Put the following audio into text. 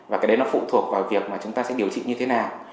và cái đấy nó phụ thuộc vào việc mà chúng ta sẽ điều trị như thế nào